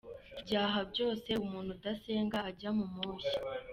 byaha byose, Umuntu udasenga ajya mu moshya.